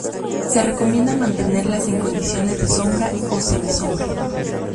Se recomienda mantenerlas en condiciones de sombra o semi-sombra.